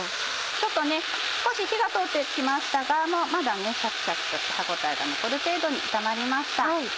ちょっと少し火が通って来ましたがまだシャキシャキとした歯応えが残る程度に炒まりました。